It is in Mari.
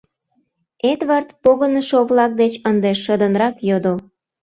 — Эдвард погынышо-влак деч ынде шыдынрак йодо.